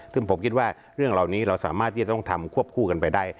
ซึ่งผมคิดว่าเรื่องเหล่านี้เราสามารถที่จะต้องทำควบคู่กันไปได้